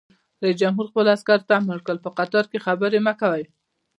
رئیس جمهور خپلو عسکرو ته امر وکړ؛ په قطار کې خبرې مه کوئ!